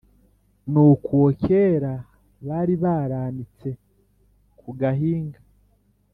Nuko uwo kera bari baranitse ku gahinga,